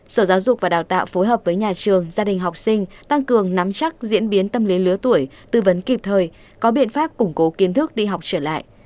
sở giáo dục và đào tạo phối hợp với nhà trường gia đình học sinh tăng cường nắm chắc diễn biến tâm lý lứa tuổi tư vấn kịp thời có biện pháp củng cố kiến thức đi học trở lại